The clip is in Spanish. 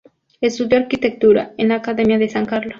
Estudió arquitectura en la Academia de San Carlos.